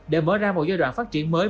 để mở ra một giai đoạn phát triển mới